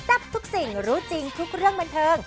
ทับทุกสิ่งรู้จริงทุกเรื่องบันเทิง